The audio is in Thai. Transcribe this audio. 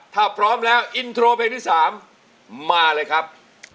ถ้าพร้อมแล้วอินโทรเพลงที่๓มาเลยครับ